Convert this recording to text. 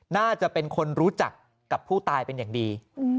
น่าจะเป็นคนรู้จักกับผู้ตายเป็นอย่างดี